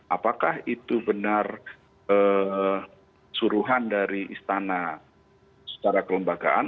apakah itu benar suruhan dari istana secara kelembagaan